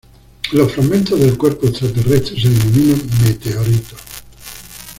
Los fragmentos del cuerpo extraterrestre se denominan meteoritos.